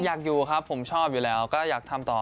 อยากอยู่ครับผมชอบอยู่แล้วก็อยากทำต่อ